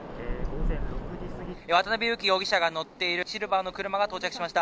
渡辺優樹容疑者が乗っているシルバーの車が到着しました。